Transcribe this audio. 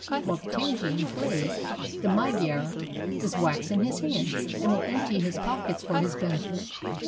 While the Tzigane plays, the Magyar is wax in his hands, and will empty his pockets for his benefit.